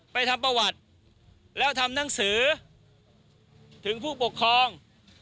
ทำประวัติแล้วทำหนังสือถึงผู้ปกครอง